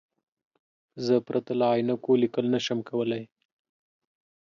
زه پرته له عینکو لیکل نشم کولای.